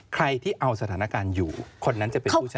ใครที่เอาสถานการณ์อยู่คนนั้นจะเป็นผู้ใช้